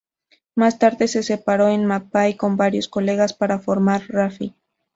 Más tarde se separó de Mapai con varios colegas para formar Rafi.